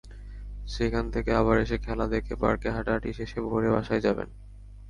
সেখান থেকে আবার এসে খেলা দেখে পার্কে হাঁটাহাঁটি শেষে ভোরে বাসায় যাবেন।